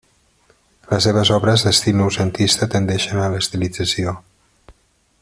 Les seves obres, d'estil noucentista, tendeixen a l'estilització.